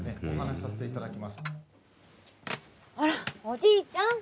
ほらおじいちゃん